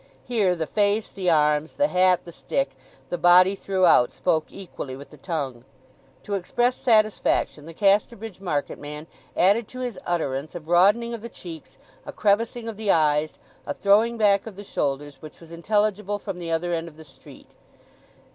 Here the face, the arms, the hat, the stick, the body throughout spoke equally with the tongue. To express satisfaction the Casterbridge market man added to his utterance a broadening of the cheeks, a crevicing of the eyes, a throwing back of the shoulders, which was intelligible from the other end of the street.